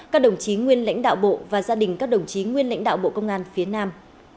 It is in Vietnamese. các đồng chí nguyên lãnh đạo bộ và gia đình các đồng chí nguyên lãnh đạo bộ công an phía nam